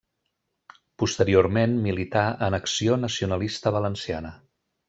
Posteriorment milità en Acció Nacionalista Valenciana.